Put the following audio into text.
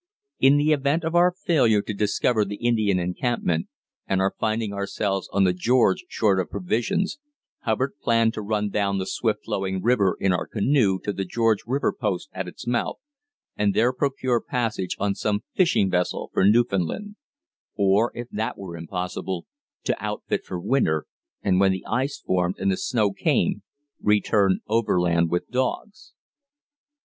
In the event of our failure to discover the Indian encampment, and our finding ourselves on the George short of provisions, Hubbard planned to run down the swift flowing river in our canoe to the George River Post at its mouth, and there procure passage on some fishing vessel for Newfoundland; or, if that were impossible, to outfit for winter, and when the ice formed and the snow came, return overland with dogs.